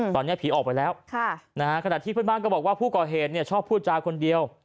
ตอนนี้ผีออกไปแล้วขณะที่เพื่อนบ้านก็บอกว่าผู้ก่อเหตุชอบพูดจาคนเดียว